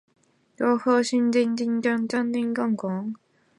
蒙古韭也称沙葱是葱科葱属的植物。